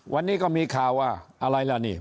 วันนี้ก็มีข่าวว่าอะไรล่ะนี่